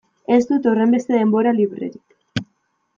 Ez dut horrenbeste denbora librerik.